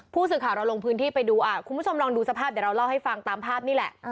ผู้สื่อข่าวเราลงพื้นที่ไปดูคุณผู้ชมลองดูสภาพเดี๋ยวเราเล่าให้ฟังตามภาพนี่แหละ